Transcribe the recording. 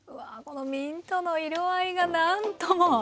このミントの色合いがなんとも。